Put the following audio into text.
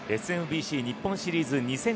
ＳＭＢＣ日本シリーズ２０２２